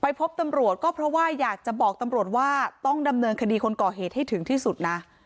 พบตำรวจก็เพราะว่าอยากจะบอกตำรวจว่าต้องดำเนินคดีคนก่อเหตุให้ถึงที่สุดนะ